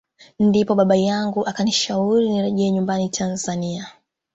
Ndipo baba yangu akanishauri nirejee nyumbani Tanzania